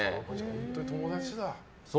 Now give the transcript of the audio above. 本当に友達だ。